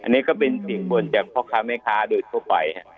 อันนี้ก็เป็นเสียงบ่นจากพ่อค้าแม่ค้าโดยทั่วไป